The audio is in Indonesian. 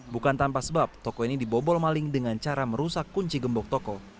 bukan tanpa sebab toko ini dibobol maling dengan cara merusak kunci gembok toko